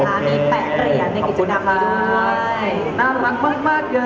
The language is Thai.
มี๘กรยานในกิจกรรมนี้ด้วย